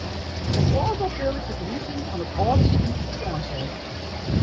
Op alve april is de ferhuzing fan it âlde sikehûs úteinset.